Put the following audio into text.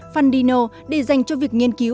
fundino để dành cho việc nghiên cứu